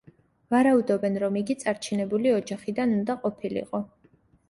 ვარაუდობენ, რომ იგი წარჩინებული ოჯახიდან უნდა ყოფილიყო.